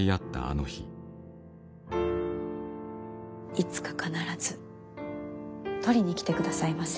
いつか必ず取りに来てくださいませ。